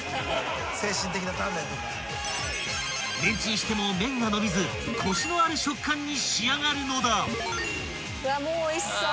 ［レンチンしても麺が伸びずコシのある食感に仕上がるのだ］